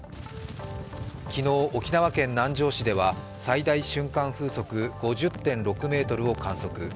昨日、沖縄県南城市では最大瞬間風速５０．６メートルを観測。